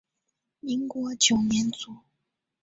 民国九年卒。